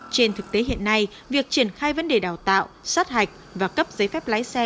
trên thực tế hiện nay việc triển khai vấn đề đào tạo sát hạch và cấp giấy phép lái xe